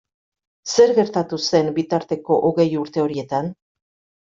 Zer gertatu zen bitarteko hogei urte horietan?